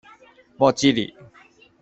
莫济里。